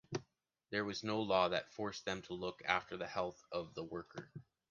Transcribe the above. There was no law that forced them to look after the health of the worker.